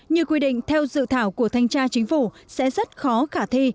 như quy định theo dự thảo của thanh tra chính phủ sẽ rất khó khả thi